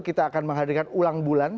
kita akan menghadirkan ulang bulan